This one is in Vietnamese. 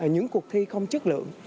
những cuộc thi không chất lượng